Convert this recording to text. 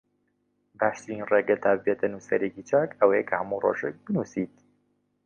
باشترین ڕێگە تا ببیتە نووسەرێکی چاک ئەوەیە کە هەموو ڕۆژێک بنووسیت